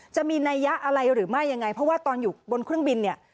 จะมีนัยยะอะไรหรือไม่ยังไงเพราะว่าตอนอยู่บนเครื่องบินเนี่ย